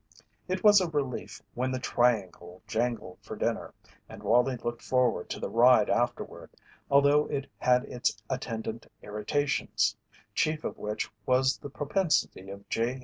It was a relief when the triangle jangled for dinner, and Wallie looked forward to the ride afterward, although it had its attendant irritations chief of which was the propensity of J.